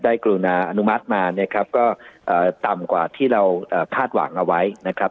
กรุณาอนุมัติมาเนี่ยครับก็ต่ำกว่าที่เราคาดหวังเอาไว้นะครับ